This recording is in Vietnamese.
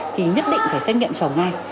thì nhất định phải xét nghiệm chồng ngay